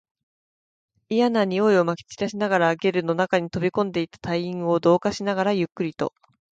嫌な臭いを撒き散らしながら、ゲルの中に飛び込んでいった隊員を同化しながら、ゆっくりと